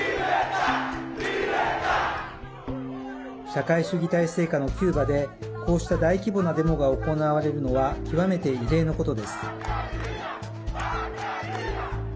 社会主義体制下のキューバでこうした大規模なデモが行われるのは極めて異例のことです。